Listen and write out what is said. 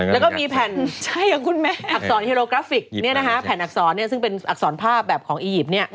แล้วก็มีแผ่นคุณแม่อักษรเฮโรกราฟิกแผ่นอักษรซึ่งเป็นอักษรภาพแบบของอียิปต์